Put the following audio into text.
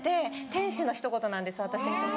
天使のひと言なんです私にとって。